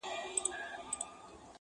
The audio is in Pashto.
ستا له تنګ نظره جُرم دی ذاهده.